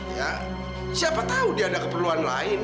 ya siapa tahu dia ada keperluan lain